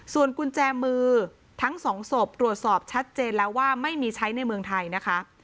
ส่วนกุญแจมือทั้งสองศพตรวจสอบชัดเจนแล้วว่าไม่มีใช้ในเมืองไทยนะคะ